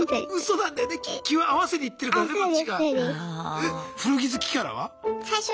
えっ古着好きキャラは？